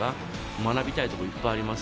学びたいところがいっぱいあります。